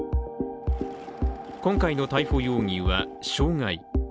今回の逮捕容疑は傷害。